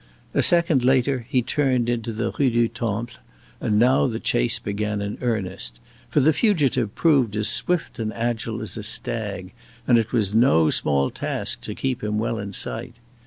A second later he turned into the Rue du Temple, and now the chase began in earnest; for the fugitive proved as swift and agile as a stag, and it was no small task to keep him well in sight.